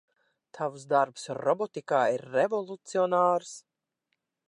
Tavs darbs robotikā ir revolucionārs.